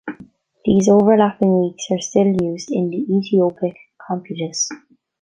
These overlapping weeks are still used in the Ethiopic computus.